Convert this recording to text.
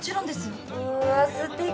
うわすてき。